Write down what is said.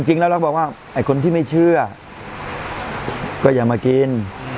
จริงแล้วเราบอกว่าไอ้คนที่ไม่เชื่อก็อย่ามากิน